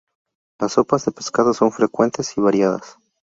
Las sopas de pescado son frecuentes y variadas.